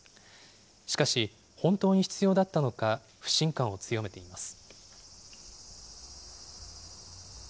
しかし、本当に必要だったのか、不信感を強めています。